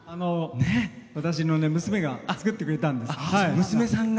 私の娘が作ってくれたんです。